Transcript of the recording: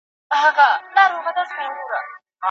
هغه وویل چې دا شعر د بل شاعر دی.